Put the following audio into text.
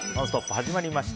始まりました。